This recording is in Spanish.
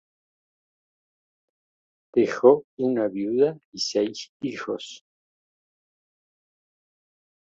Dejó una viuda y seis hijos.